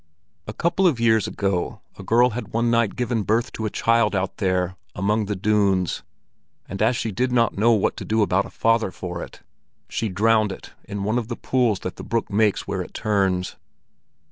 A couple of years ago a girl had one night given birth to a child out there among the dunes and as she did not know what to do about a father for it, she drowned it in one of the pools that the brook makes where it turns.